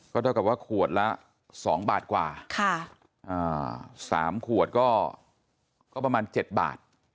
ก็เท่ากับว่าขวดละสองบาทกว่าค่ะอ่าสามขวดก็ก็ประมาณเจ็ดบาท